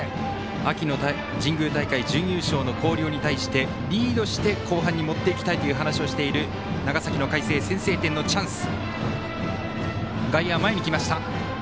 秋の神宮大会準優勝の広陵に対してリードして後半に持っていきたいという話をしている長崎の海星、先制点のチャンス。